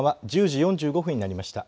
１０時４５分になりました。